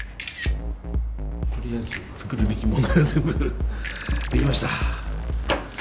とりあえず作るべきものは全部出来ました。